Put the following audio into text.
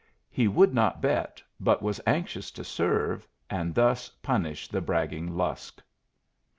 He would not bet, but was anxious to serve, and thus punish the bragging Lusk.